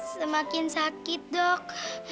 semakin sakit dok